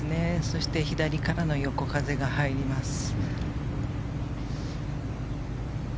そして、左からの横風が入ります。